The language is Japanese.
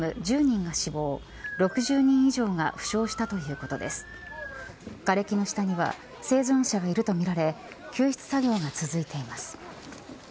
がれきの下には生存者がいるとみられ救出作業が続いています。